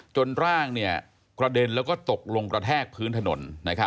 จนร่างกระเด็นแล้วก็ตกลงกระแทกพื้นถนน